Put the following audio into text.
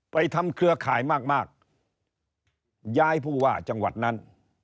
ทำเครือข่ายมากมากย้ายผู้ว่าจังหวัดนั้น